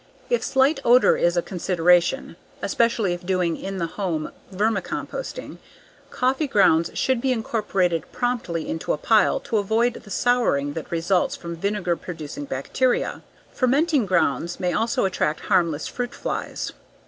If slight odor is a consideration, especially if doing in the home vermicomposting, coffee grounds should be incorporated promptly into a pile to avoid the souring that results from vinegar producing bacteria. Fermenting grounds may also attract harmless fruit flies.